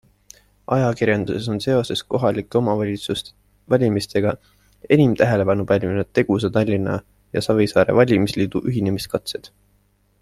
Ajakirjanduses on seoses kohalike omavalitsuste valimistega enim tähelepanu pälvinud Tegusa Tallinna ja Savisaare valimisliidu ühinemiskatsed.